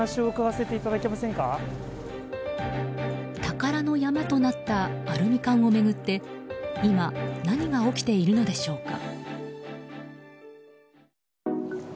宝の山となったアルミ缶を巡って今、何が起きているのでしょうか。